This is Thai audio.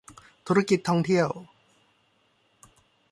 ธุรกิจท่องเที่ยว